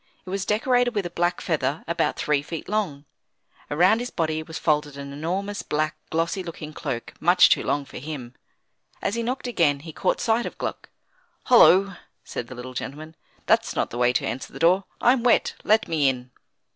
It was decorated with a black feather about three feet long. Around his body was folded an enormous black, glossy looking cloak much too long for him. As he knocked again he caught sight of Gluck. "Hollo!" said the little gentleman, "that's not the way to answer the door; I'm wet, let me in."